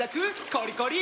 コリコリ！